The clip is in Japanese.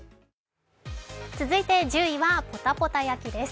続いて１０位はぽたぽた焼きです。